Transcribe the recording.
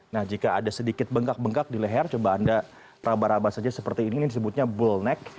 nah jika ada sedikit bengkak bengkak di leher coba anda rabar rabar saja seperti ini disebutnya bullneck